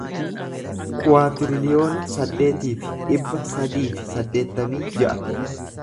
kuwaatiriliyoona saddeetii fi dhibba sadii fi saddeettamii ja'a